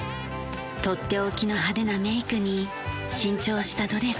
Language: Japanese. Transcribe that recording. とっておきの派手なメイクに新調したドレス。